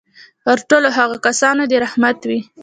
پر ټولو هغو کسانو دي رحمت وي.